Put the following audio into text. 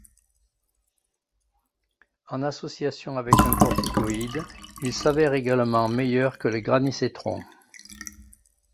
En association avec un corticoïde, il s'avère également meilleur que le granisétron.